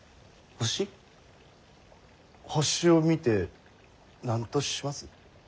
星を見て何とします？